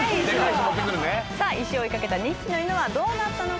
さあ石を追い掛けた２匹の犬はどうなったのか？